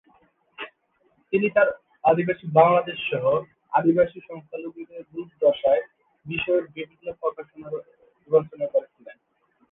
তিনি তার আদিবাসী বাংলাদেশ সহ আদিবাসী সংখ্যালঘুদের দুর্দশার বিষয়ে বিভিন্ন প্রকাশনা রচনা করেছিলেন।